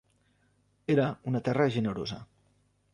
Era una terra generosa.